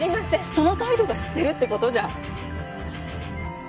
その態度が知ってるってことじゃん。